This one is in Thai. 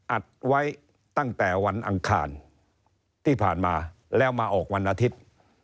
อัดไว้ตั้งแต่วันอังคารที่ผ่านมาแล้วมาออกวันอาทิตย์